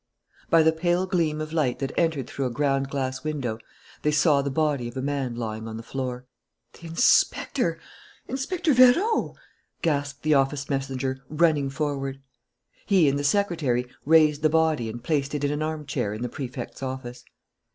By the pale gleam of light that entered through a ground glass window they saw the body of a man lying on the floor. "The inspector! Inspector Vérot!" gasped the office messenger, running forward. He and the secretary raised the body and placed it in an armchair in the Prefect's office.